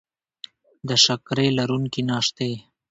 د شکرې لرونکي ناشتې